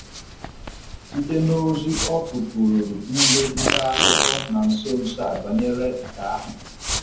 site n'ozi ọ kụpụụrụ ndị nta akụkọ na nsonso a bànyéré nke ahụ.